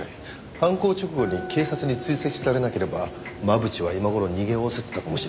犯行直後に警察に追跡されなければ真渕は今頃逃げおおせてたかもしれない。